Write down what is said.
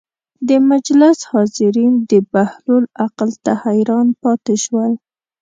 د مجلس حاضرین د بهلول عقل ته حیران پاتې شول.